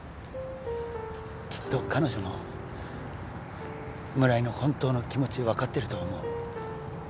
きっと彼女も村井の本当の気持ち分かってると思う